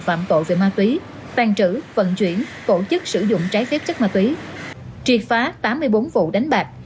phạm tội về ma túy tàn trữ vận chuyển tổ chức sử dụng trái phép chất ma túy triệt phá tám mươi bốn vụ đánh bạc